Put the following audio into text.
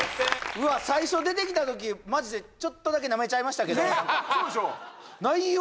うわっ最初出てきたときマジでちょっとだけなめちゃいましたけどねっそうでしょう内容